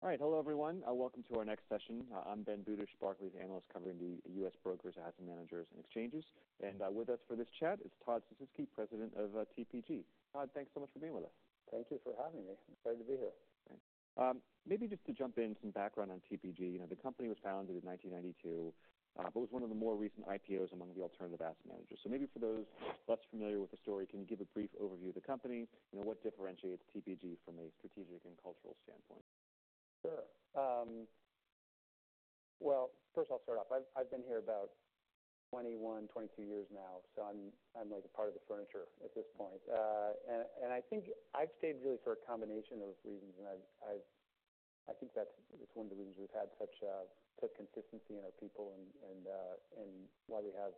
All right. Hello, everyone, welcome to our next session. I'm Ben Budish, Barclays analyst, covering the U.S. brokers, asset managers, and exchanges. And, with us for this chat is Todd Sisitsky, president of TPG. Todd, thanks so much for being with us. Thank you for having me. I'm excited to be here. Thanks. Maybe just to jump in some background on TPG. You know, the company was founded in 1992, but was one of the more recent IPOs among the alternative asset managers. So maybe for those less familiar with the story, can you give a brief overview of the company? You know, what differentiates TPG from a strategic and cultural standpoint? Sure, well, first I'll start off. I've been here about 21-22 years now, so I'm like a part of the furniture at this point. And I think I've stayed really for a combination of reasons, and I've. I think that's, it's one of the reasons we've had such consistency in our people and why we have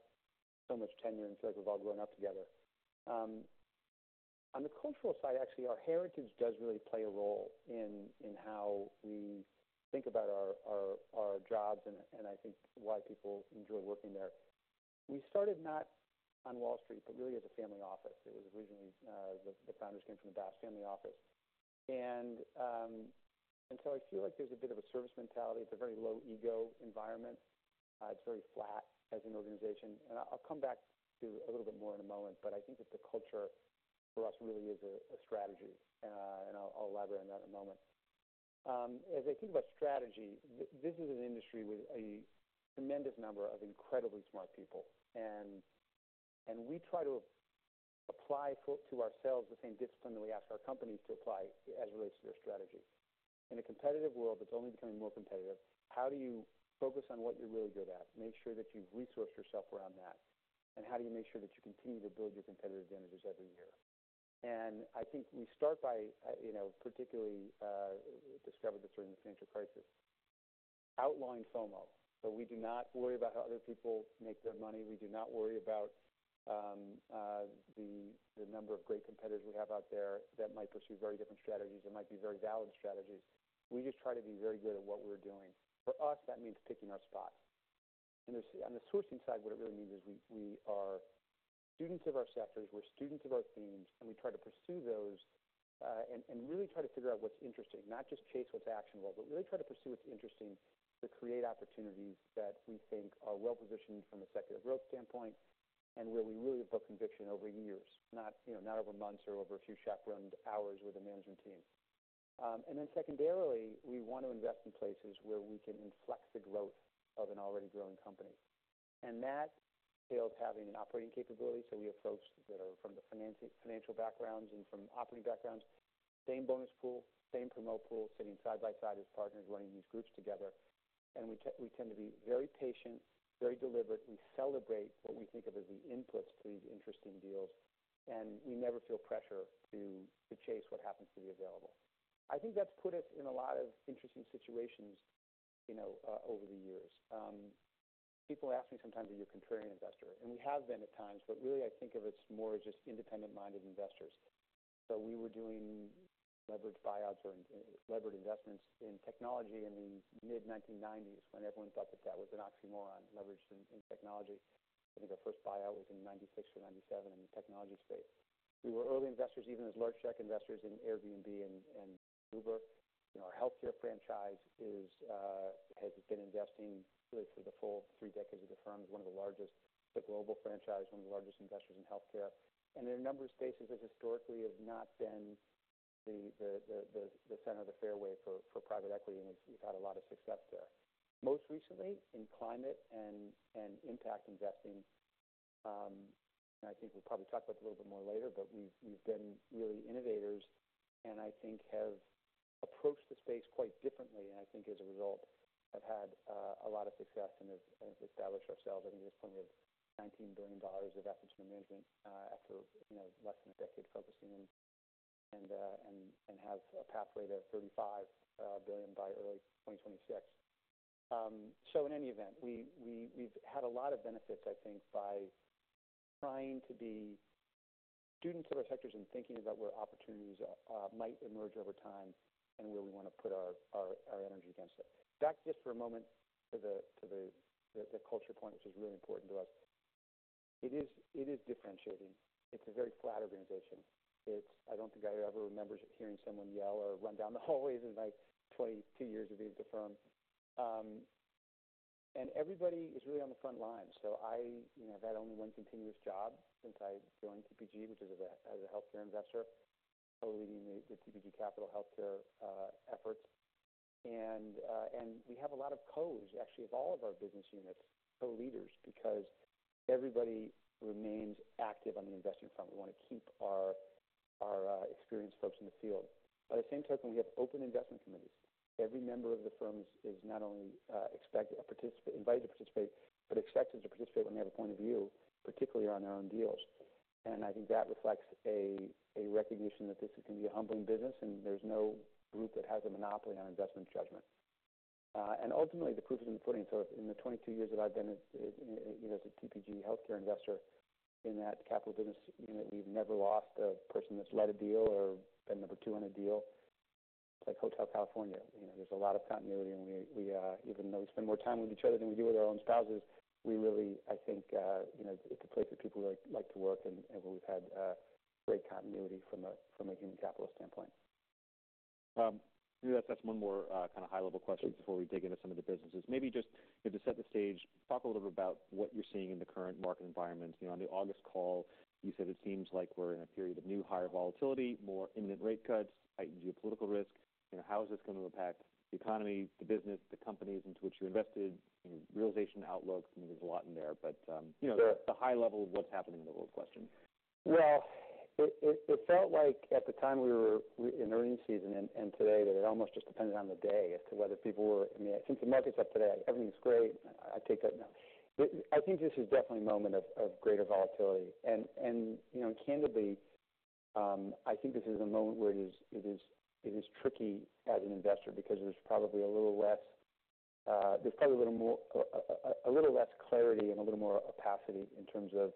so much tenure and it feels we've all grown up together. On the cultural side, actually, our heritage does really play a role in how we think about our jobs, and I think why people enjoy working there. We started not on Wall Street, but really as a family office. It was originally. The founders came from the Bass family office, and so I feel like there's a bit of a service mentality. It's a very low ego environment. It's very flat as an organization, and I'll come back to a little bit more in a moment, but I think that the culture for us really is a strategy, and I'll elaborate on that in a moment. As I think about strategy, this is an industry with a tremendous number of incredibly smart people, and we try to apply to ourselves the same discipline that we ask our companies to apply as it relates to their strategy. In a competitive world, that's only becoming more competitive, how do you focus on what you're really good at? Make sure that you've resourced yourself around that, and how do you make sure that you continue to build your competitive advantages every year? And I think we start by, you know, particularly discovered this during the financial crisis, outlawing FOMO. So we do not worry about how other people make their money. We do not worry about the number of great competitors we have out there that might pursue very different strategies and might be very valid strategies. We just try to be very good at what we're doing. For us, that means picking our spots. On the sourcing side, what it really means is we are students of our sectors. We're students of our themes, and we try to pursue those and really try to figure out what's interesting, not just chase what's actionable, but really try to pursue what's interesting, to create opportunities that we think are well-positioned from a secular growth standpoint, and where we really build conviction over years, not you know, not over months or over a few chaperoned hours with a management team. Then secondarily, we want to invest in places where we can inflect the growth of an already growing company. That entails having an operating capability, so we have folks that are from the financial backgrounds and from operating backgrounds. Same bonus pool, same promote pool, sitting side by side as partners running these groups together. And we tend to be very patient, very deliberate. We celebrate what we think of as the inputs to these interesting deals, and we never feel pressure to chase what happens to be available. I think that's put us in a lot of interesting situations, you know, over the years. People ask me sometimes: Are you a contrarian investor? And we have been at times, but really I think it's more as just independent-minded investors. So we were doing leveraged buyouts or levered investments in technology in the mid-1990s when everyone thought that that was an oxymoron, leveraged in technology. I think our first buyout was in 1996 or 1997 in the technology space. We were early investors, even as large check investors in Airbnb and Uber. You know, our healthcare franchise is, has been investing really for the full three decades of the firm, is one of the largest, the global franchise, one of the largest investors in healthcare. And there are a number of spaces that historically have not been the center of the fairway for private equity, and we've had a lot of success there. Most recently in climate and impact investing, and I think we'll probably talk about it a little bit more later, but we've been really innovators and I think have approached the space quite differently, and I think as a result, have had a lot of success and have established ourselves. I think at this point, we have $19 billion of assets under management, after, you know, less than a decade focusing in and have a pathway to $35 billion by early 2026. So in any event, we've had a lot of benefits, I think, by trying to be students of our sectors and thinking about where opportunities might emerge over time and where we want to put our energy against it. Back just for a moment to the culture point, which is really important to us. It is differentiating. It's a very flat organization. It's. I don't think I ever remember hearing someone yell or run down the hallways in my 22 years of being at the firm, and everybody is really on the front line. So I, you know, I've had only one continuous job since I joined TPG, which is as a healthcare investor, co-leading the TPG Capital Healthcare efforts. And we have a lot of co's, actually, of all of our business units, co-leaders, because everybody remains active on the investing front. We want to keep our experienced folks in the field. At the same token, we have open investment committees. Every member of the firms is not only invited to participate, but expected to participate when they have a point of view, particularly on their own deals. And I think that reflects a recognition that this is going to be a humbling business, and there's no group that has a monopoly on investment judgment. And ultimately, the proof is in the pudding. So in the twenty-two years that I've been, you know, as a TPG healthcare investor in that capital business unit, we've never lost a person that's led a deal or been number two on a deal. It's like Hotel California, you know, there's a lot of continuity, and we even though we spend more time with each other than we do with our own spouses, we really, I think, you know, it's a place that people like to work and where we've had great continuity from a human capital standpoint.... Maybe let's ask one more, kind of high-level question before we dig into some of the businesses. Maybe just to set the stage, talk a little bit about what you're seeing in the current market environment. You know, on the August call, you said it seems like we're in a period of new higher volatility, more imminent rate cuts, heightened geopolitical risk. You know, how is this going to impact the economy, the business, the companies into which you invested, and realization outlook? I mean, there's a lot in there, but, you know, the high level of what's happening in the world question. Well, it felt like at the time we were in earnings season, and today, that it almost just depended on the day as to whether people were. I mean, since the market's up today, everything's great. I take that now. But I think this is definitely a moment of greater volatility. And you know, candidly, I think this is a moment where it is tricky as an investor because there's probably a little less clarity and a little more opacity in terms of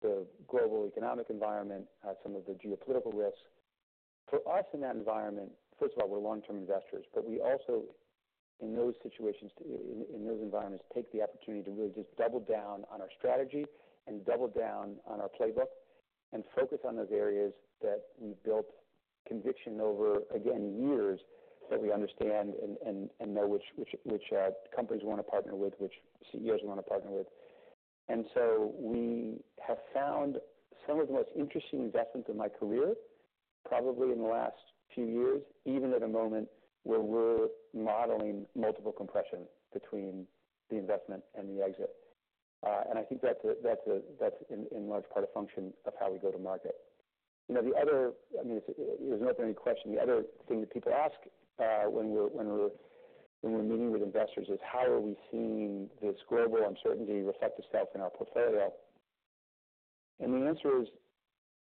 the global economic environment, some of the geopolitical risks. For us in that environment, first of all, we're long-term investors, but we also, in those situations, in those environments, take the opportunity to really just double down on our strategy and double down on our playbook and focus on those areas that we've built conviction over, again, years, that we understand and know which companies we want to partner with, which CEOs we want to partner with. And so we have found some of the most interesting investments in my career, probably in the last few years, even at a moment where we're modeling multiple compression between the investment and the exit. And I think that's in large part a function of how we go to market. You know, the other, I mean, there's not any question, the other thing that people ask when we're meeting with investors is, how are we seeing this global uncertainty reflect itself in our portfolio? And the answer is,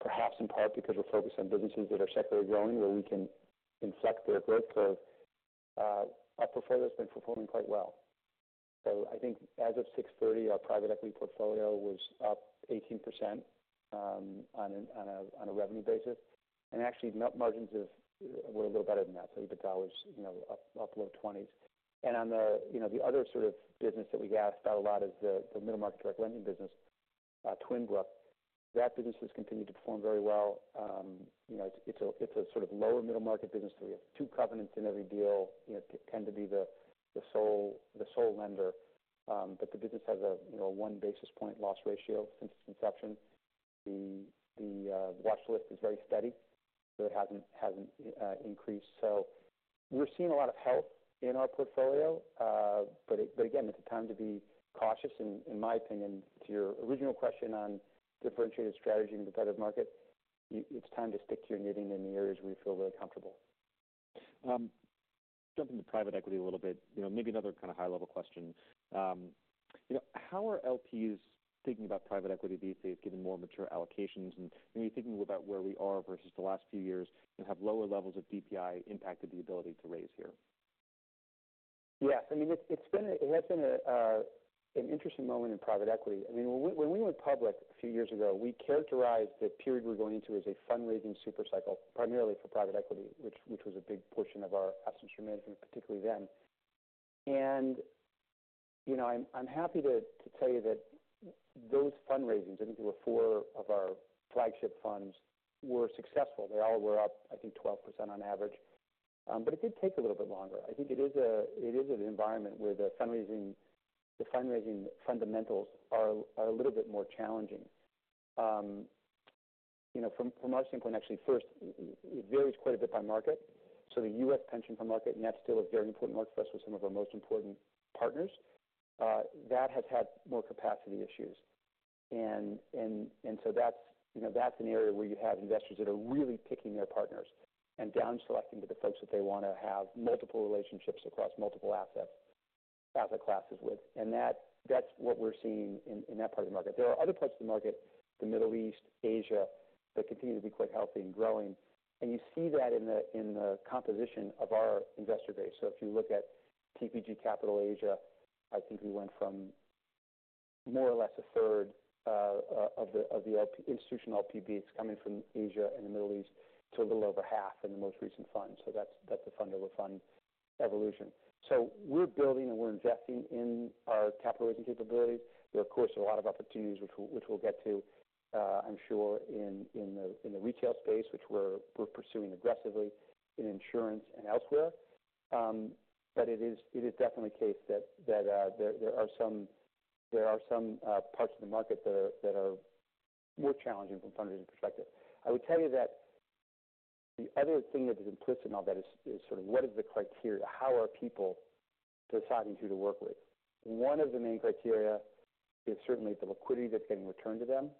perhaps in part because we're focused on businesses that are solidly growing, where we can inspect their growth curve, our portfolio has been performing quite well. So I think as of June 30, our private equity portfolio was up 18% on a revenue basis. And actually, net margins have... were a little better than that. So EBITDA was up low twenties. And on the other sort of business that we get asked about a lot is the middle market direct lending business, Twin Brook. That business has continued to perform very well. You know, it's a sort of lower middle market business, so we have two covenants in every deal, you know, tend to be the sole lender, but the business has a you know, one basis point loss ratio since its inception. The watch list is very steady, so it hasn't increased. So we're seeing a lot of health in our portfolio, but again, it's a time to be cautious. In my opinion, to your original question on differentiated strategy in the competitive market, it's time to stick to your knitting in the areas where you feel really comfortable. Jumping to private equity a little bit, you know, maybe another kind of high-level question. You know, how are LPs thinking about private equity these days, given more mature allocations, and maybe thinking about where we are versus the last few years and have lower levels of DPI impacted the ability to raise here? Yes, I mean, it has been an interesting moment in private equity. I mean, when we went public a few years ago, we characterized the period we're going into as a fundraising super cycle, primarily for private equity, which was a big portion of our asset management, particularly then, and you know, I'm happy to tell you that those fundraisings, I think there were four of our flagship funds, were successful. They all were up, I think, 12% on average, but it did take a little bit longer. I think it is an environment where the fundraising fundamentals are a little bit more challenging, you know, from our standpoint, actually, first, it varies quite a bit by market. So the U.S. pension fund market, and that's still a very important market for us with some of our most important partners, that has had more capacity issues. And so that's, you know, an area where you have investors that are really picking their partners and down-selecting to the folks that they want to have multiple relationships across multiple asset classes with. And that's what we're seeing in that part of the market. There are other parts of the market, the Middle East, Asia, that continue to be quite healthy and growing, and you see that in the composition of our investor base. If you look at TPG Capital Asia, I think we went from more or less a third of the institutional LP base coming from Asia and the Middle East to a little over half in the most recent fund. That's a fund-over-fund evolution. We're building and investing in our capital raising capabilities. There are, of course, a lot of opportunities which we'll get to, I'm sure, in the retail space, which we're pursuing aggressively in insurance and elsewhere. But it is definitely a case that there are some parts of the market that are more challenging from a fundraising perspective. I would tell you that the other thing that is implicit in all that is sort of what is the criteria? How are people deciding who to work with? One of the main criteria is certainly the liquidity that's getting returned to them.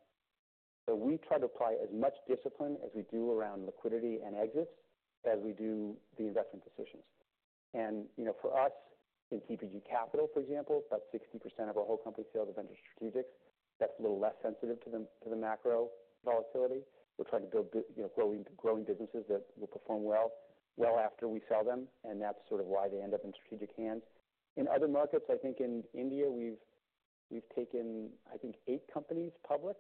So we try to apply as much discipline as we do around liquidity and exits, as we do the investment decisions. And you know, for us, in TPG Capital, for example, about 60% of our whole company sales have been to strategics. That's a little less sensitive to the macro volatility. We're trying to build you know, growing businesses that will perform well after we sell them, and that's sort of why they end up in strategic hands. In other markets, I think in India, we've taken, I think, eight companies public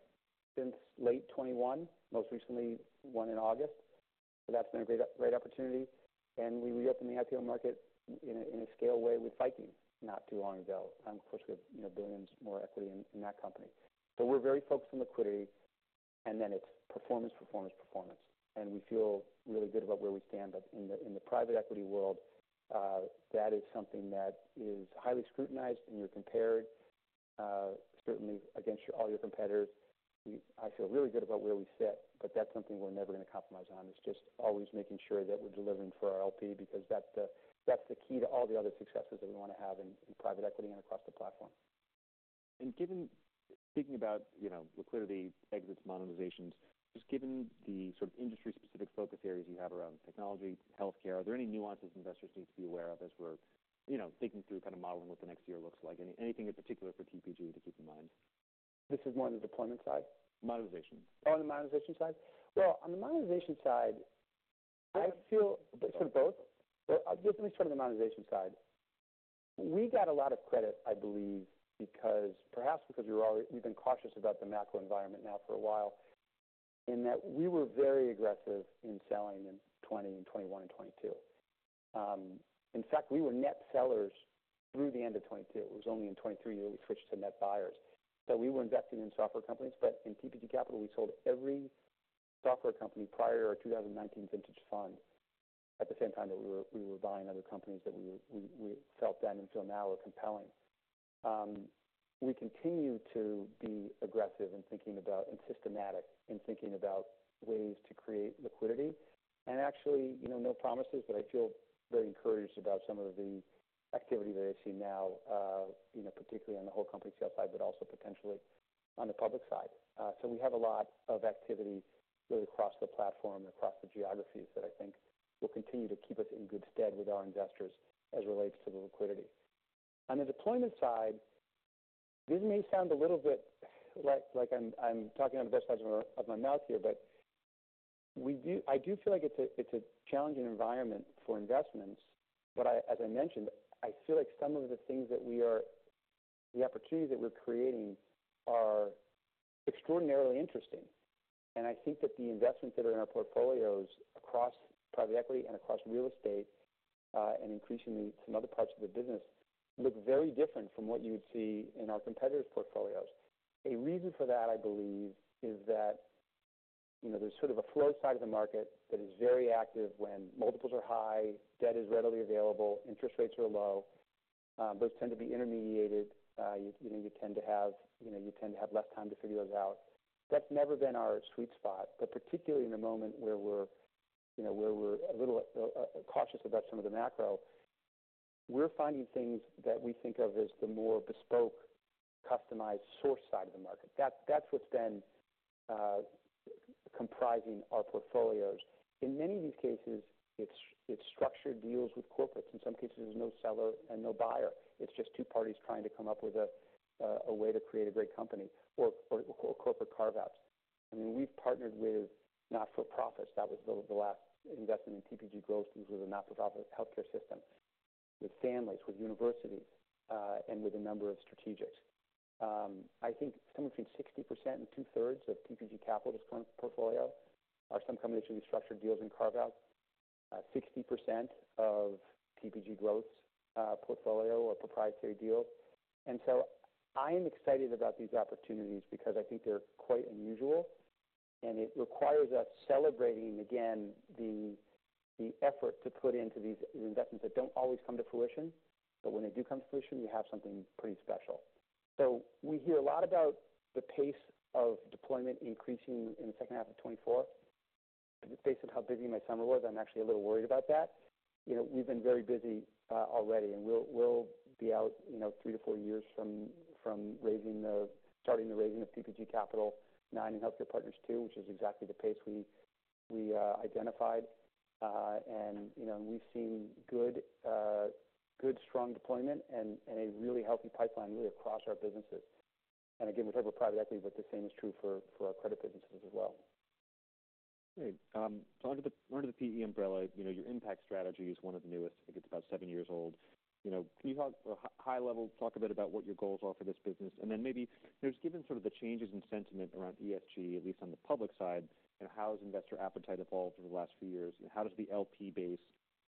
since late 2021, most recently one in August. So that's been a great opportunity. And we reentered the IPO market in a scale way with Viking not too long ago. Of course, with billions more equity in that company. So we're very focused on liquidity, and then it's performance, performance, performance. And we feel really good about where we stand, but in the private equity world, that is something that is highly scrutinized, and you're compared certainly against all your competitors. I feel really good about where we sit, but that's something we're never gonna compromise on, is just always making sure that we're delivering for our LP, because that's the, that's the key to all the other successes that we wanna have in, in private equity and across the platform. And given thinking about, you know, liquidity, exits, monetizations, just given the sort of industry-specific focus areas you have around technology, healthcare, are there any nuances investors need to be aware of as we're, you know, thinking through kind of modeling what the next year looks like? Any, anything in particular for TPG to keep in mind? This is more on the deployment side? Monetization. Oh, on the monetization side? Well, on the monetization side, I feel- Sort of both. Let me start on the monetization side. We got a lot of credit, I believe, because perhaps because we're all, we've been cautious about the macro environment now for a while, in that we were very aggressive in selling in 2020 and 2021 and 2022. In fact, we were net sellers through the end of 2022. It was only in 2023 that we switched to net buyers. We were investing in software companies, but in TPG Capital, we sold every software company prior to our 2019 vintage fund. At the same time that we were buying other companies that we felt then and feel now are compelling. We continue to be aggressive in thinking about, and systematic in thinking about ways to create liquidity. Actually, you know, no promises, but I feel very encouraged about some of the activity that I see now, you know, particularly on the whole company sale side, but also potentially on the public side. We have a lot of activity really across the platform, across the geographies, that I think will continue to keep us in good stead with our investors as it relates to the liquidity. On the deployment side, this may sound a little bit like I'm talking out of both sides of my mouth here, but I do feel like it's a challenging environment for investments. I, as I mentioned, feel like some of the things the opportunities that we're creating are extraordinarily interesting. I think that the investments that are in our portfolios, across private equity and across real estate, and increasingly some other parts of the business, look very different from what you would see in our competitors' portfolios. A reason for that, I believe, is that, you know, there's sort of a flow side of the market that is very active when multiples are high, debt is readily available, interest rates are low. Those tend to be intermediated. You know, you tend to have less time to figure those out. That's never been our sweet spot, but particularly in a moment where we're, you know, a little cautious about some of the macro, we're finding things that we think of as the more bespoke, customized source side of the market. That, that's what's been comprising our portfolios. In many of these cases, it's structured deals with corporates. In some cases, there's no seller and no buyer. It's just two parties trying to come up with a way to create a great company or corporate carve-outs. I mean, we've partnered with not-for-profits. That was the last investment in TPG Growth, which was a not-for-profit healthcare system, with families, with universities, and with a number of strategics. I think somewhere between 60% and two-thirds of TPG Capital's current portfolio are some combination of structured deals and carve-outs. 60% of TPG Growth's portfolio are proprietary deals. And so I am excited about these opportunities because I think they're quite unusual, and it requires us celebrating again, the effort to put into these investments that don't always come to fruition, but when they do come to fruition, you have something pretty special. So we hear a lot about the pace of deployment increasing in the second half of 2024. Based on how busy my summer was, I'm actually a little worried about that. You know, we've been very busy, already, and we'll be out, you know, three to four years from starting the raising of TPG Capital IX and Healthcare Partners II, which is exactly the pace we identified. And, you know, we've seen good strong deployment and a really healthy pipeline really across our businesses. Again, we're talking about private equity, but the same is true for our credit businesses as well. Great. So under the PE umbrella, you know, your impact strategy is one of the newest. I think it's about seven years old. You know, can you talk high level, talk a bit about what your goals are for this business, and then maybe just given sort of the changes in sentiment around ESG, at least on the public side, you know, how has investor appetite evolved over the last few years, and how does the LP base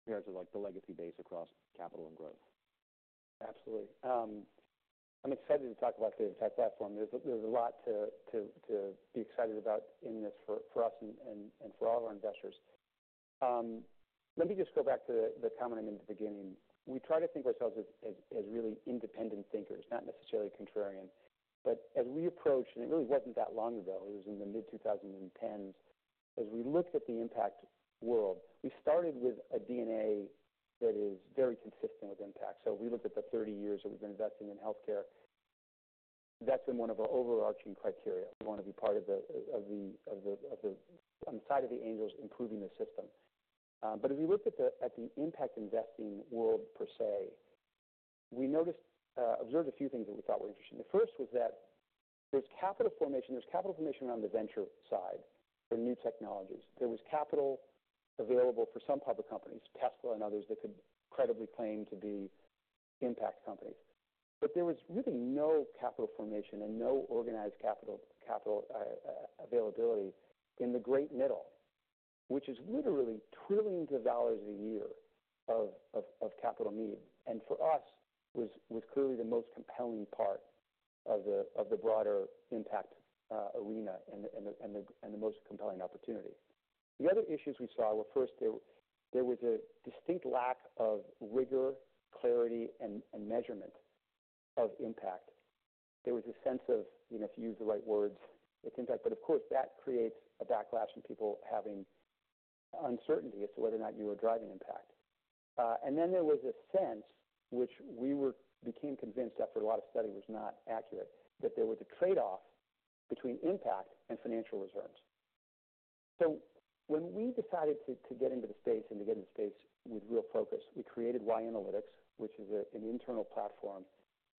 compare to, like, the legacy base across capital and growth? Absolutely. I'm excited to talk about the impact platform. There's a lot to be excited about in this for us and for all of our investors. Let me just go back to the comment I made at the beginning. We try to think of ourselves as really independent thinkers, not necessarily contrarian. But as we approached, and it really wasn't that long ago, it was in the mid-2010s, as we looked at the impact world, we started with a DNA that is very consistent with impact. So we looked at the thirty years that we've been investing in healthcare. That's been one of our overarching criteria. We wanna be part of the on the side of the angels, improving the system. But as we looked at the impact investing world per se, we noticed, observed a few things that we thought were interesting. The first was that there's capital formation around the venture side for new technologies. There was capital available for some public companies, Tesla and others, that could credibly claim to be impact companies. But there was really no capital formation and no organized capital availability in the great middle... which is literally trillions of dollars a year of capital need, and for us, was clearly the most compelling part of the broader impact arena, and the most compelling opportunity. The other issues we saw were, first, there was a distinct lack of rigor, clarity, and measurement of impact. There was a sense of, you know, if you use the right words, it's impact. But of course, that creates a backlash from people having uncertainty as to whether or not you are driving impact. And then there was a sense, which we became convinced, after a lot of study, was not accurate, that there was a trade-off between impact and financial reserves. So when we decided to get into the space and to get into the space with real focus, we created Y Analytics, which is an internal platform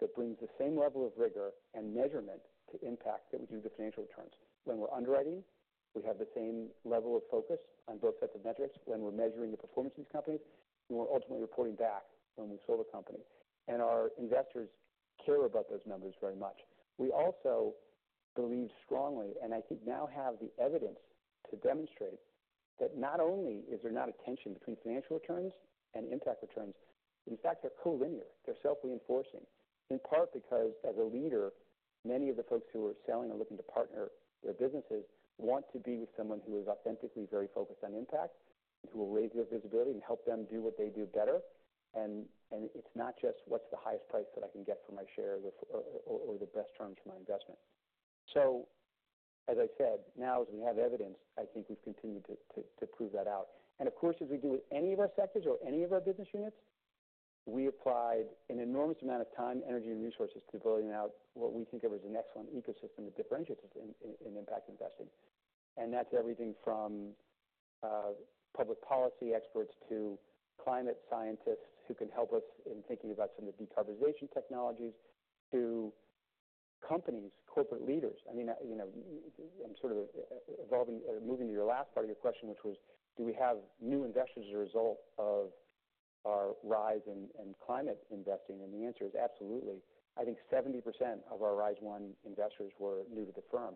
that brings the same level of rigor and measurement to impact that we do to financial returns. When we're underwriting, we have the same level of focus on both sets of metrics when we're measuring the performance of these companies, and we're ultimately reporting back when we sold the company. Our investors care about those numbers very much. We also believe strongly, and I think now have the evidence to demonstrate, that not only is there not a tension between financial returns and impact returns, in fact, they're collinear, they're self-reinforcing, in part because as a leader, many of the folks who are selling or looking to partner their businesses want to be with someone who is authentically very focused on impact, and who will raise their visibility and help them do what they do better. And it's not just what's the highest price that I can get for my share with or the best terms for my investment. As I said, now as we have evidence, I think we've continued to prove that out. Of course, as we do with any of our sectors or any of our business units, we applied an enormous amount of time, energy, and resources to building out what we think of as an excellent ecosystem that differentiates us in impact investing. That's everything from public policy experts to climate scientists, who can help us in thinking about some of the decarbonization technologies, to companies, corporate leaders. I mean, you know, I'm sort of evolving or moving to your last part of your question, which was: Do we have new investors as a result of our rise in climate investing? The answer is absolutely. I think 70% of our Rise I investors were new to the firm,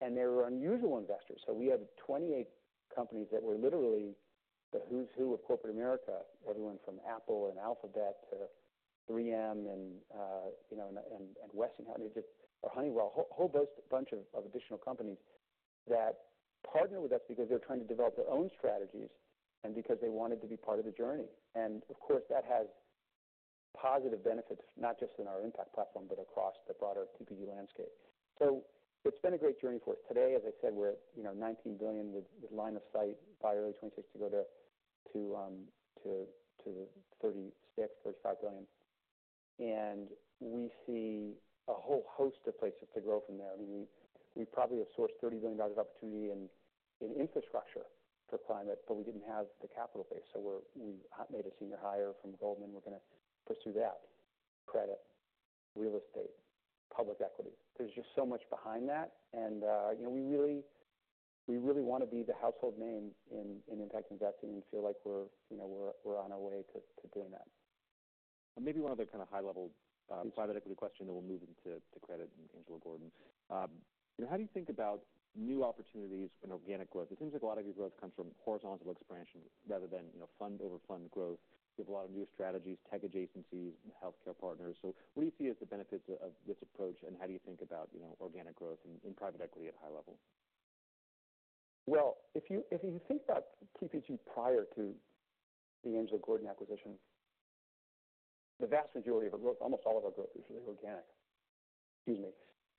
and they were unusual investors. So we had 28 companies that were literally the who's who of corporate America. Everyone from Apple and Alphabet to 3M and, you know, and Westinghouse or Honeywell. A whole bunch of additional companies that partnered with us because they were trying to develop their own strategies and because they wanted to be part of the journey, and of course, that has positive benefits, not just in our impact platform, but across the broader TPG landscape, so it's been a great journey for us. Today, as I said, we're at, you know, $19 billion with line of sight by early 2026 to go to $35 billion-$36 billion, and we see a whole host of places to grow from there. I mean, we probably have sourced $30 billion of opportunity in infrastructure for climate, but we didn't have the capital base, so we made a senior hire from Goldman. We're going to pursue that. Credit, real estate, public equity. There's just so much behind that, and, you know, we really want to be the household name in impact investing and feel like we're, you know, on our way to doing that. Maybe one other kind of high-level private equity question, and then we'll move into credit and Angelo Gordon. How do you think about new opportunities and organic growth? It seems like a lot of your growth comes from horizontal expansion rather than, you know, fund-over-fund growth. You have a lot of new strategies, tech adjacencies, and healthcare partners. So what do you see as the benefits of this approach, and how do you think about, you know, organic growth in private equity at a high level? If you think about TPG prior to the Angelo Gordon acquisition, the vast majority of our growth, almost all of our growth is really organic. Excuse me.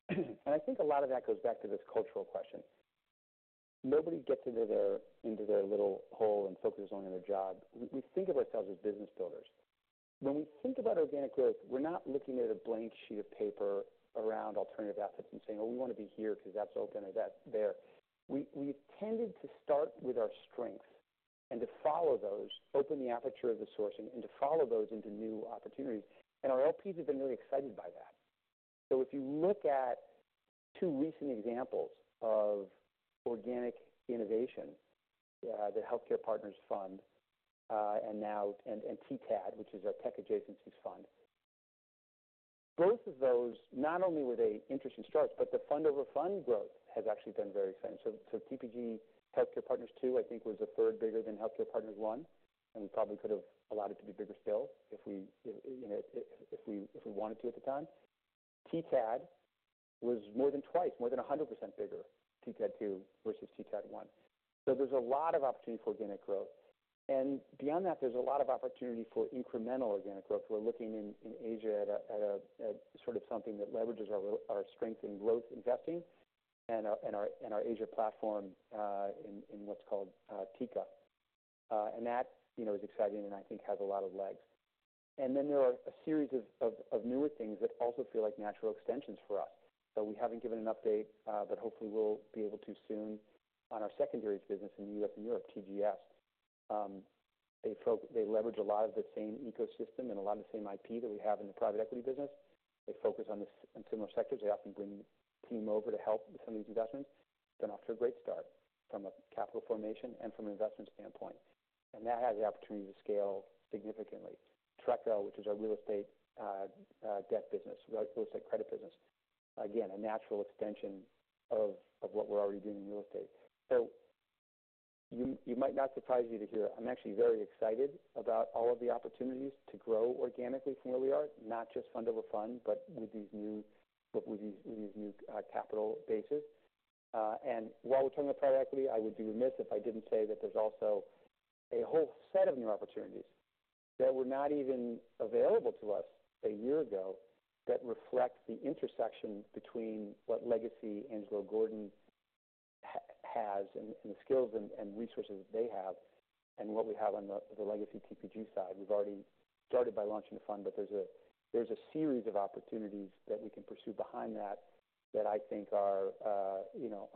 And I think a lot of that goes back to this cultural question. Nobody gets into their little hole and focuses only on their job. We think of ourselves as business builders. When we think about organic growth, we're not looking at a blank sheet of paper around alternative assets and saying: Oh, we want to be here because that's open or that's there. We've tended to start with our strengths and to follow those, open the aperture of the sourcing and to follow those into new opportunities. And our LPs have been really excited by that. So if you look at two recent examples of organic innovation, the Healthcare Partners Fund, and now.. TTAD, which is our tech adjacencies fund, both of those, not only were they interesting starts, but the fund-over-fund growth has actually been very exciting. TPG Healthcare Partners II, I think, was a third bigger than Healthcare Partners I, and we probably could have allowed it to be bigger still, if we, you know, if we wanted to at the time. TTAD was more than twice, more than 100% bigger, TTAD II versus TTAD I. There's a lot of opportunity for organic growth, and beyond that, there's a lot of opportunity for incremental organic growth. We're looking in Asia at sort of something that leverages our strength in growth investing and our Asia platform, in what's called TGA. And that, you know, is exciting and I think has a lot of legs. Then there are a series of newer things that also feel like natural extensions for us. So we haven't given an update, but hopefully we'll be able to soon on our secondaries business in the U.S. and Europe, TGS. They leverage a lot of the same ecosystem and a lot of the same IP that we have in the private equity business. They focus on the similar sectors. They often bring the team over to help with some of these investments. They're off to a great start from a capital formation and from an investment standpoint, and that has the opportunity to scale significantly. TRECO, which is our real estate debt business, real estate credit business-... Again, a natural extension of what we're already doing in real estate. So you, it might not surprise you to hear, I'm actually very excited about all of the opportunities to grow organically from where we are, not just fund-over-fund, but with these new capital bases. And while we're talking about private equity, I would be remiss if I didn't say that there's also a whole set of new opportunities that were not even available to us a year ago, that reflect the intersection between what legacy Angelo Gordon has, and the skills and resources that they have, and what we have on the legacy TPG side. We've already started by launching the fund, but there's a series of opportunities that we can pursue behind that, that I think are, you know,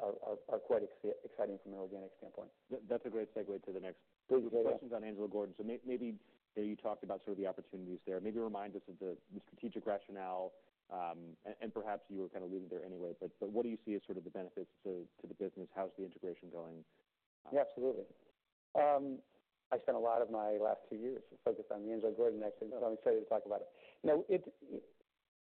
quite exciting from an organic standpoint. That, that's a great segue to the next- Thank you. Questions on Angelo Gordon. So maybe you talked about sort of the opportunities there. Maybe remind us of the strategic rationale, and perhaps you were kind of leading there anyway. But what do you see as sort of the benefits to the business? How's the integration going? Yeah, absolutely. I spent a lot of my last two years focused on the Angelo Gordon acquisition, so I'm excited to talk about it. Now,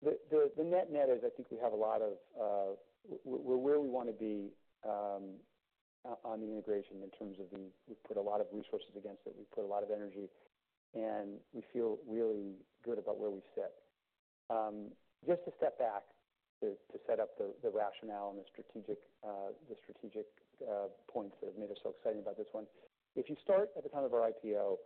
the net-net is, I think we have a lot of. We're where we want to be on the integration in terms of we've put a lot of resources against it, we've put a lot of energy, and we feel really good about where we sit. Just to step back, to set up the rationale and the strategic points that have made us so excited about this one. If you start at the time of our IPO,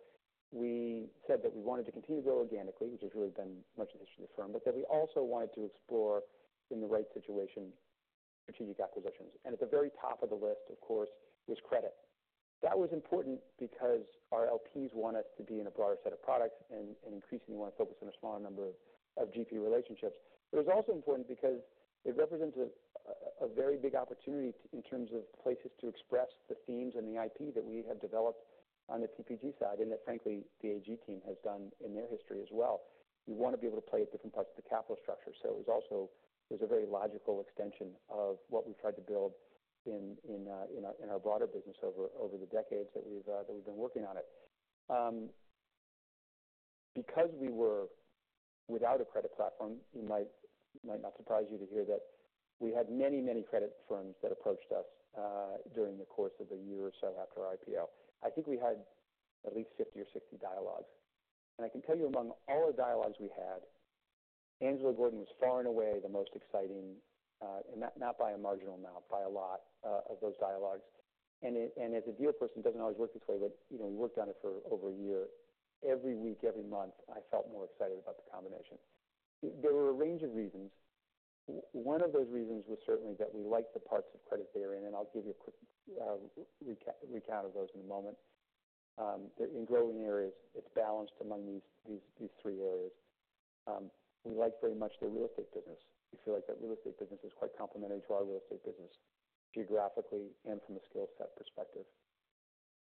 we said that we wanted to continue to grow organically, which has really been much of the history of the firm, but that we also wanted to explore, in the right situation, strategic acquisitions. At the very top of the list, of course, was credit. That was important because our LPs want us to be in a broader set of products and increasingly want to focus on a smaller number of GP relationships. But it was also important because it represents a very big opportunity in terms of places to express the themes and the IP that we have developed on the TPG side, and that frankly, the AG team has done in their history as well. We want to be able to play at different parts of the capital structure. It was also a very logical extension of what we tried to build in our broader business over the decades that we've been working on it. Because we were without a credit platform, it might not surprise you to hear that we had many, many credit firms that approached us during the course of a year or so after our IPO. I think we had at least 50 or 60 dialogues. And I can tell you among all the dialogues we had, Angelo Gordon was far and away the most exciting, and not by a marginal amount, by a lot of those dialogues. And as a deal person, it doesn't always work this way, but, you know, we worked on it for over a year. Every week, every month, I felt more excited about the combination. There were a range of reasons. One of those reasons was certainly that we liked the parts of credit they're in, and I'll give you a quick recap, recount of those in a moment. They're in growing areas. It's balanced among these three areas. We like very much their real estate business. We feel like that real estate business is quite complementary to our real estate business, geographically and from a skill set perspective.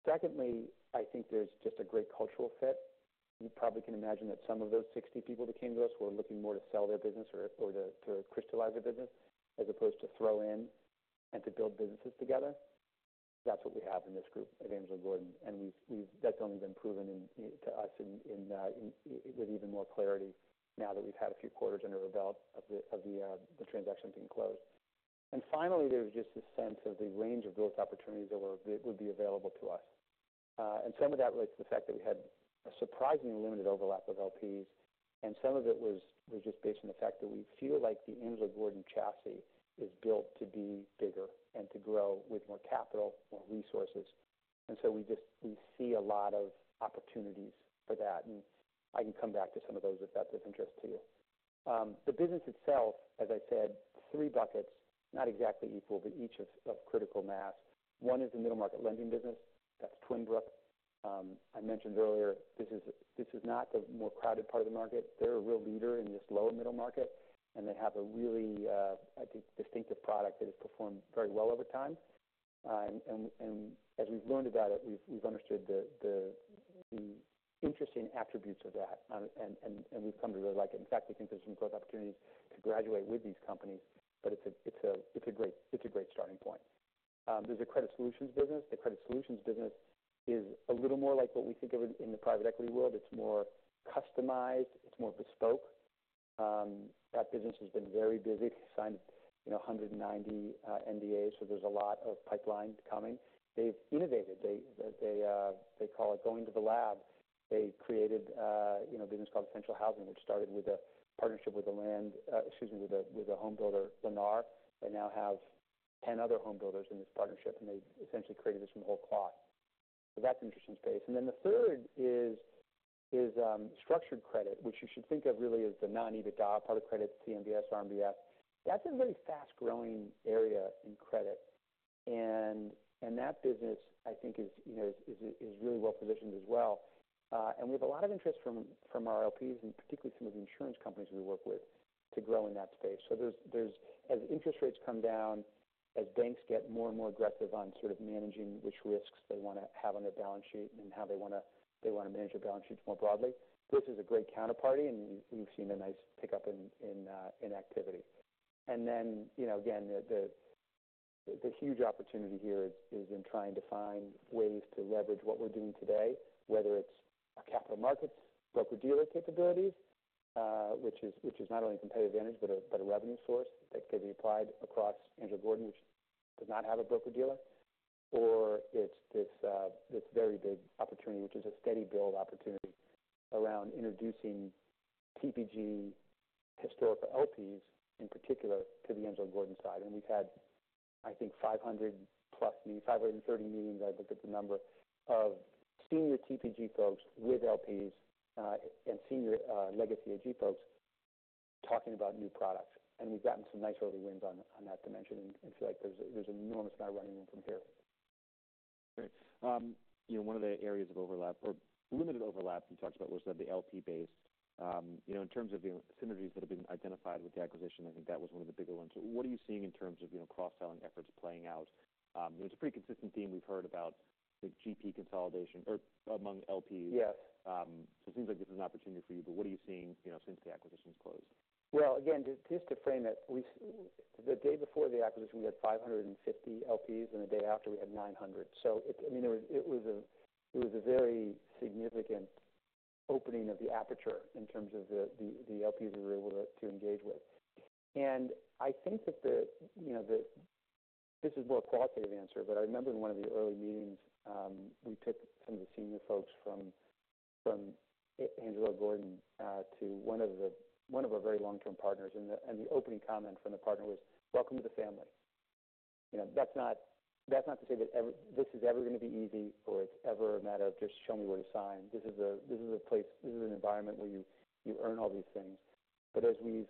Secondly, I think there's just a great cultural fit. You probably can imagine that some of those 60 people that came to us were looking more to sell their business or to crystallize their business, as opposed to throw in and to build businesses together. That's what we have in this group at Angelo Gordon, and we've. That's only been proven to us with even more clarity now that we've had a few quarters under our belt of the transactions being closed. And finally, there was just a sense of the range of growth opportunities that would be available to us. And some of that relates to the fact that we had a surprisingly limited overlap of LPs, and some of it was just based on the fact that we feel like the Angelo Gordon chassis is built to be bigger and to grow with more capital, more resources. And so we just see a lot of opportunities for that, and I can come back to some of those if that's of interest to you. The business itself, as I said, three buckets, not exactly equal, but each of critical mass. One is the middle-market lending business. That's Twin Brook. I mentioned earlier, this is not the more crowded part of the market. They're a real leader in this low middle market, and they have a really, I think, distinctive product that has performed very well over time. And as we've learned about it, we've understood the interesting attributes of that, and we've come to really like it. In fact, we think there's some growth opportunities to graduate with these companies, but it's a great starting point. There's a Credit Solutions business. The Credit Solutions business is a little more like what we think of in the private equity world. It's more customized, it's more bespoke. That business has been very busy. Signed, you know, 190 NDAs, so there's a lot of pipeline coming. They've innovated. They call it going to the lab. They've created a, you know, a business called Essential Housing, which started with a partnership with a home builder, Lennar, and now have 10 other home builders in this partnership, and they essentially created this from whole cloth. So that's an interesting space. And then the third is structured credit, which you should think of really as the non-EBITDA part of credit, CMBS, RMBS. That's a very fast-growing area in credit. And that business, I think is, you know, really well positioned as well. and we have a lot of interest from our LPs, and particularly some of the insurance companies we work with, to grow in that space. So there's as interest rates come down, as banks get more and more aggressive on sort of managing which risks they wanna have on their balance sheet and how they wanna manage their balance sheets more broadly, this is a great counterparty, and we've seen a nice pickup in activity. And then, you know, again, the huge opportunity here is in trying to find ways to leverage what we're doing today, whether it's a capital markets broker-dealer capabilities, which is not only a competitive advantage, but a revenue source that can be applied across Angelo Gordon, which does not have a broker-dealer. Or it's this very big opportunity, which is a steady build opportunity around introducing TPG historical LPs, in particular, to the Angelo Gordon side. And we've had, I think, 500-plus meetings, 530 meetings, I looked at the number, of senior TPG folks with LPs, and senior legacy AG folks talking about new products. And we've gotten some nice early wins on that dimension, and I feel like there's an enormous amount of running room from here. Great. You know, one of the areas of overlap or limited overlap you talked about was the LP base. You know, in terms of the synergies that have been identified with the acquisition, I think that was one of the bigger ones. What are you seeing in terms of, you know, cross-selling efforts playing out? It's a pretty consistent theme. We've heard about the GP consolidation or among LPs. Yes. So, it seems like this is an opportunity for you, but what are you seeing, you know, since the acquisition's closed? Again, just to frame it, the day before the acquisition, we had 550 LPs, and the day after, we had 900. I mean, it was a very significant opening of the aperture in terms of the LPs we were able to engage with. And I think that, you know, this is more a qualitative answer, but I remember in one of the early meetings, we took some of the senior folks from Angelo Gordon to one of our very long-term partners, and the opening comment from the partner was, "Welcome to the family." You know, that's not to say that this is ever going to be easy or it's ever a matter of just show me where to sign. This is a place, this is an environment where you earn all these things. But as we've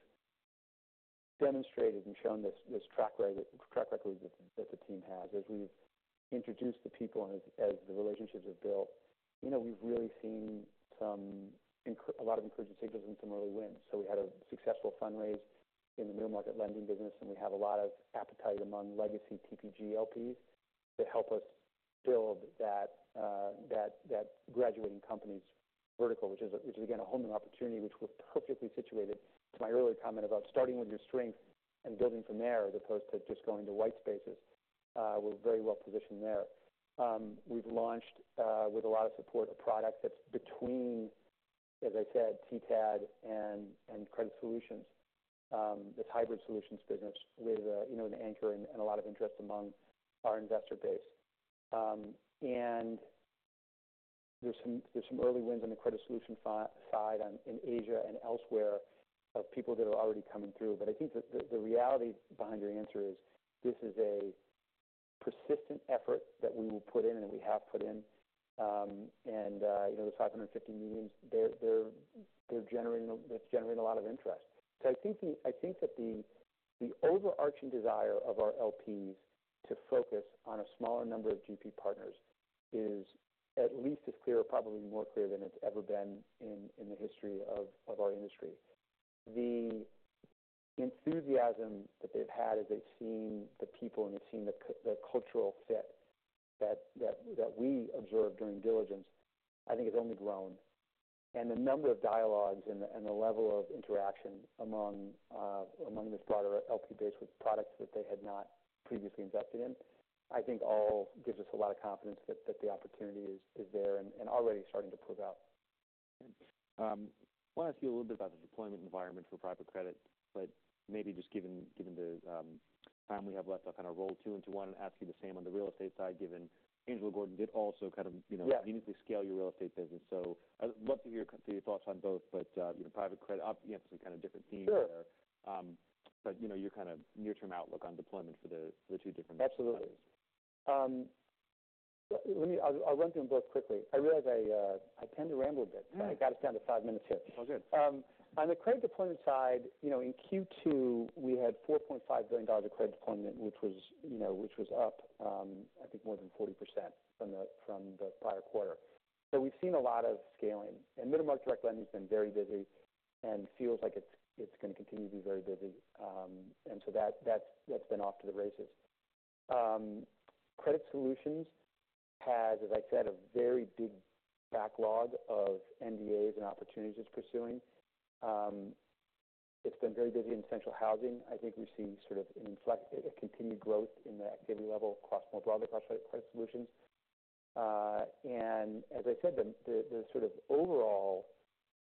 demonstrated and shown this track record that the team has, as we've introduced the people and as the relationships are built, you know, we've really seen a lot of encouraging signals and some early wins, so we had a successful fundraise in the middle market lending business, and we have a lot of appetite among legacy TPG LPs to help us build that graduating companies vertical, which is, again, a whole new opportunity, which we're perfectly situated. To my earlier comment about starting with your strength and building from there, as opposed to just going to white spaces, we're very well positioned there. We've launched, with a lot of support, a product that's between, as I said, TTAD and Credit Solutions, this hybrid solutions business with, you know, an anchor and a lot of interest among our investor base. And there's some early wins on the Credit Solutions side, in Asia and elsewhere, of people that are already coming through. But I think that the reality behind your answer is, this is a persistent effort that we will put in and we have put in. And, you know, those 550 meetings, they're generating, it's generating a lot of interest. I think that the overarching desire of our LPs to focus on a smaller number of GP partners is at least as clear, or probably more clear than it's ever been in the history of our industry. The enthusiasm that they've had as they've seen the people and they've seen the cultural fit that we observed during diligence, I think has only grown. The number of dialogues and the level of interaction among this broader LP base with products that they had not previously invested in, I think all gives us a lot of confidence that the opportunity is there and already starting to prove out. I want to ask you a little bit about the deployment environment for private credit, but maybe just given the time we have left, I'll kind of roll two into one and ask you the same on the real estate side, given Angelo Gordon did also kind of, you know- Yeah significantly scale your real estate business. So I'd love to hear your thoughts on both, but, you know, private credit, obviously, kind of different themes there. Sure. But, you know, your kind of near-term outlook on deployment for the two different- Absolutely. Let me... I'll run through them both quickly. I realize I tend to ramble a bit. No. I got us down to five minutes here. It's all good. On the credit deployment side, you know, in Q2, we had $4.5 billion of credit deployment, which was, you know, which was up, I think more than 40% from the prior quarter, so we've seen a lot of scaling, and middle market direct lending has been very busy and feels like it's going to continue to be very busy, and so that's been off to the races. Credit Solutions has, as I said, a very big backlog of NDAs and opportunities it's pursuing. It's been very busy in Essential Housing. I think we've seen sort of an inflection, a continued growth in the activity level more broadly across Credit Solutions, and as I said, the sort of overall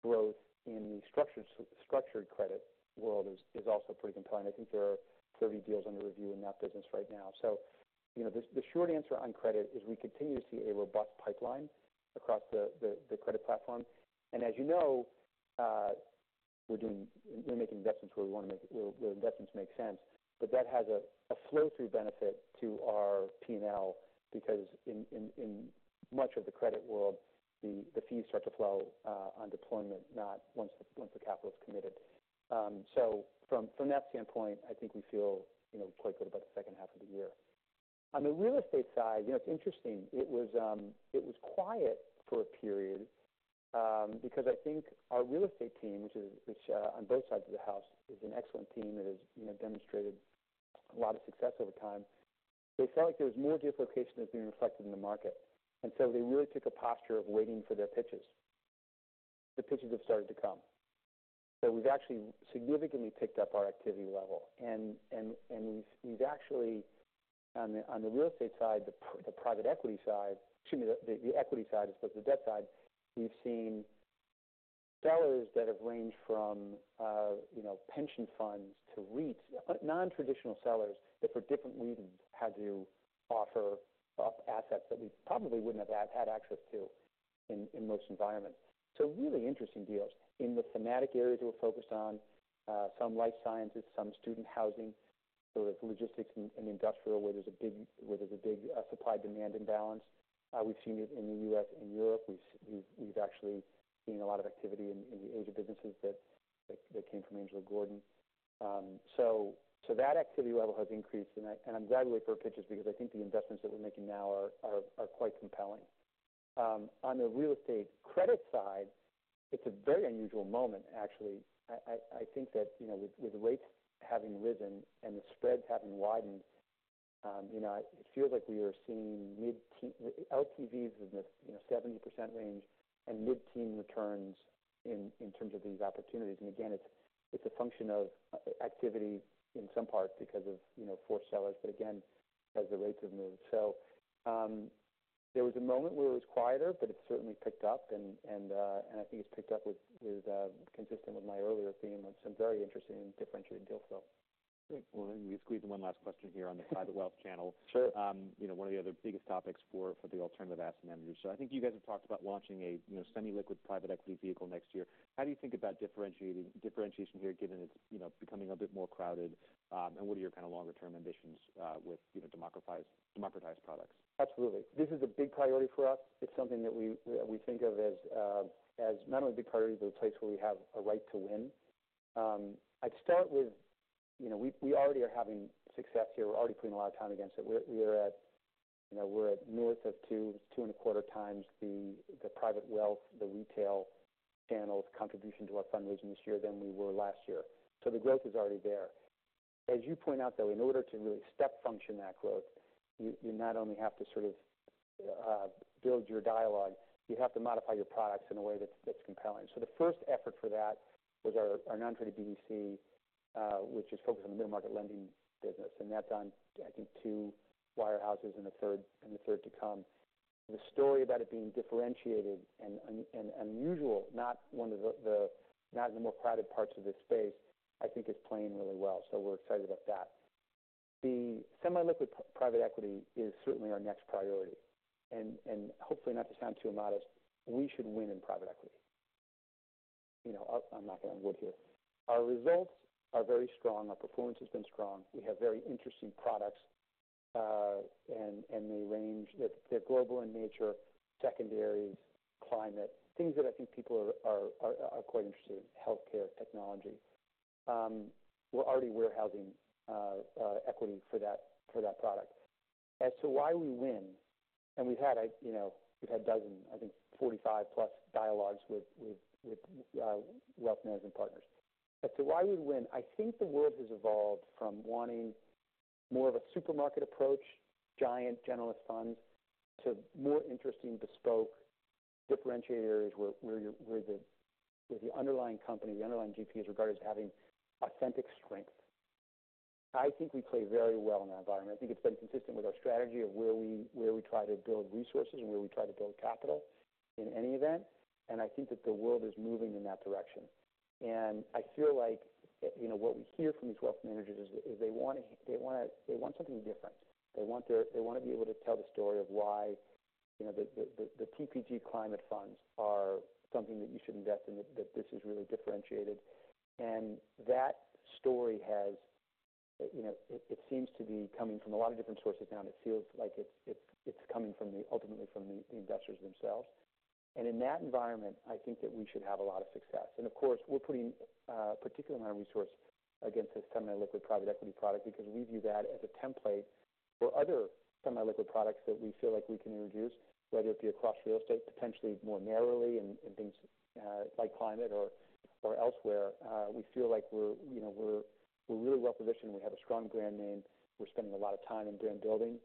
growth in the structured credit world is also pretty compelling. I think there are 30 deals under review in that business right now. So you know, the short answer on credit is we continue to see a robust pipeline across the credit platform. And as you know, we're doing. We're making investments where we want to make where investments make sense. But that has a flow-through benefit to our P&L, because in much of the credit world, the fees start to flow on deployment, not once the capital is committed. So from that standpoint, I think we feel, you know, quite good about the second half of the year. On the real estate side, you know, it's interesting. It was quiet for a period because I think our real estate team, which is on both sides of the house, is an excellent team that has, you know, demonstrated a lot of success over time. They felt like there was more deal flow than what's being reflected in the market, and so they really took a posture of waiting for their pitches. The pitches have started to come. So we've actually significantly picked up our activity level, and we've actually, on the real estate side, the private equity side, excuse me, the equity side as opposed to the debt side, we've seen sellers that have ranged from, you know, pension funds to REITs, nontraditional sellers that for different reasons had to offer up assets that we probably wouldn't have had access to in most environments. So really interesting deals. In the thematic areas we're focused on, some life sciences, some student housing, so it's logistics and industrial, where there's a big supply-demand imbalance. We've seen it in the U.S. and Europe. We've actually seen a lot of activity in the Asia businesses that came from Angelo Gordon. That activity level has increased, and I'm glad we're fielding pitches because I think the investments that we're making now are quite compelling. On the real estate credit side, it's a very unusual moment, actually. I think that, you know, with the rates having risen and the spreads having widened, you know, it feels like we are seeing mid-60s LTVs in the, you know, 70% range and mid-teen returns in terms of these opportunities. And again, it's a function of activity in some part because of, you know, forced sellers, but again, as the rates have moved. There was a moment where it was quieter, but it's certainly picked up and I think it's picked up consistent with my earlier theme of some very interesting and differentiated deals. Great. Well, let me squeeze in one last question here on the private wealth channel. Sure. You know, one of the other biggest topics for the alternative asset managers. So I think you guys have talked about launching a, you know, semi-liquid private equity vehicle next year. How do you think about differentiation here, given it's, you know, becoming a bit more crowded, and what are your kind of longer term ambitions with, you know, democratized products? Absolutely. This is a big priority for us. It's something that we think of as not only a big priority, but a place where we have a right to win. I'd start with, you know, we already are having success here. We're already putting a lot of time against it. We're at, you know, we're at north of two and a quarter times the private wealth, the retail channel's contribution to our fundraising this year than we were last year. So the growth is already there. As you point out, though, in order to really step function that growth, you not only have to sort of build your dialogue, you have to modify your products in a way that's compelling. So the first effort for that was our non-traded BDC, which is focused on the middle market lending business, and that's on, I think, two wirehouses and a third, and the third to come. The story about it being differentiated and unusual, not one of the, not in the more crowded parts of this space, I think is playing really well. So we're excited about that. The semi-liquid private equity is certainly our next priority, and hopefully, not to sound too modest, we should win in private equity. You know, I'm knocking on wood here. Our results are very strong. Our performance has been strong. We have very interesting products, and they range. They're global in nature, secondary, climate, things that I think people are quite interested in, healthcare, technology. We're already warehousing equity for that product. As to why we win, and we've had a, you know, dozen, I think forty-five plus dialogues with wealth management partners. As to why we win, I think the world has evolved from wanting more of a supermarket approach, giant generalist funds, to more interesting, bespoke differentiator areas where the underlying company, the underlying GP, is regarded as having authentic strength. I think we play very well in that environment. I think it's been consistent with our strategy of where we try to build resources and where we try to build capital in any event, and I think that the world is moving in that direction. And I feel like, you know, what we hear from these wealth managers is they want something different. They want to be able to tell the story of why, you know, the TPG climate funds are something that you should invest in, that this is really differentiated. And that story has, you know, it seems to be coming from a lot of different sources now, and it feels like it's coming ultimately from the investors themselves. And in that environment, I think that we should have a lot of success. Of course, we're putting particular amount of resource against this semi-liquid private equity product because we view that as a template for other semi-liquid products that we feel like we can introduce, whether it be across real estate, potentially more narrowly in things like climate or elsewhere. We feel like we're, you know, really well positioned. We have a strong brand name. We're spending a lot of time in brand building,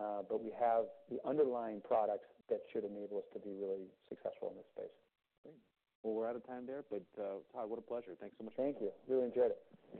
but we have the underlying products that should enable us to be really successful in this space. Great. We're out of time there, but, Todd, what a pleasure. Thanks so much. Thank you. Really enjoyed it.